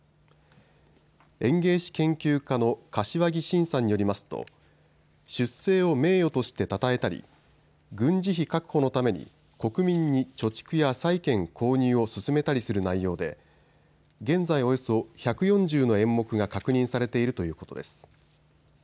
演芸史研究家の柏木新さんによりますと出征を名誉としてたたえたり軍事費確保のために国民に貯蓄や債券購入を勧めたりする内容で現在およそ１４０の演目が確認されているということです。